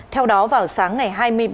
theo đó vào sáng ngày hai mươi tháng năm